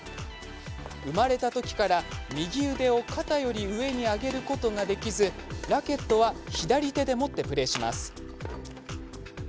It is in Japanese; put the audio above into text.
生まれたときから右腕を肩より上に上げることができずラケットは左手で持ってプレーします。